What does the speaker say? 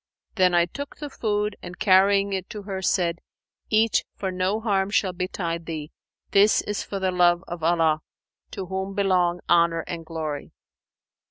Then I took the food and carrying it to her, said, 'Eat, for no harm shall betide thee: this is for the love of Allah, to whom belong Honour and Glory!'